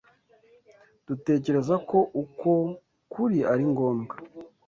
Dutekereza ko uko kuri ari ngombwa.